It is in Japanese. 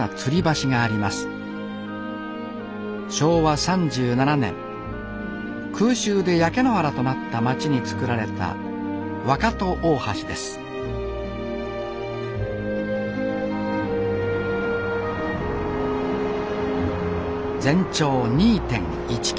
昭和３７年空襲で焼け野原となった町につくられた若戸大橋です全長２．１キロ。